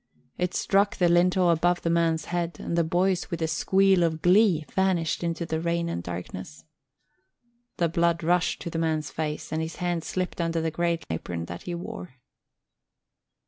It struck the lintel above the man's head and the boys with a squeal of glee vanished into the rain and darkness. The blood rushed to the man's face and his hand slipped under the great leathern apron that he wore.